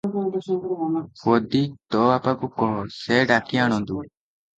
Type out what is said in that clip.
ପଦୀ- ତୋ ବାପାକୁ କହ, ସେ ଡାକି ଆଣନ୍ତୁ ।